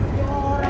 di rumah saya